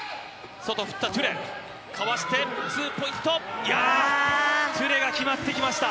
外振った、トゥレ、かわして、ツーポイント、いやー、トゥレが決まってきました。